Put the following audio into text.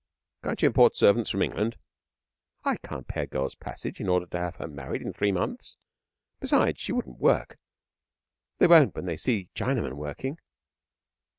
'Can't you import servants from England?' 'I can't pay a girl's passage in order to have her married in three months. Besides, she wouldn't work. They won't when they see Chinamen working.'